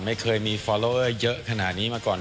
ไม่เคยมีฟอลโลเวอร์เยอะขนาดนี้มาก่อน